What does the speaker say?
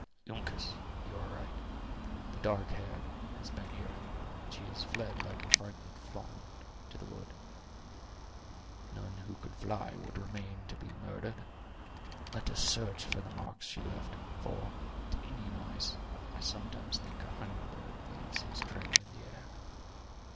Uncas, you are right; the dark hair has been here, and she has fled like a frightened fawn, to the wood; none who could fly would remain to be murdered. Let us search for the marks she left; for, to Indian eyes, I sometimes think a humming bird leaves his trail in the air."